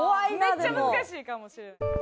めっちゃ難しいかもしれん。